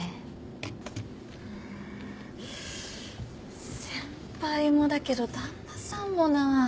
うん先輩もだけど旦那さんもなあ。